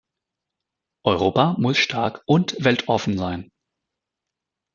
Europa muss stark und weltoffen sein.